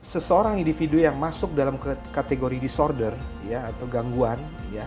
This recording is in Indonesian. seseorang individu yang masuk dalam kategori disorder atau gangguan